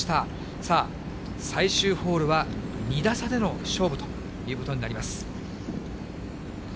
さあ、最終ホールは２打差での勝負ということになります。